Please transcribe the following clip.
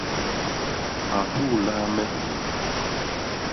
A nhuulaha me hiônde.